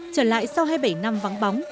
trở lại sau hai mươi bảy năm vắng bóng